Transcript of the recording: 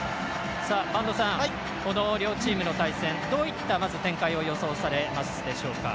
播戸さん、両チームの対戦どういった展開を予想されますでしょうか？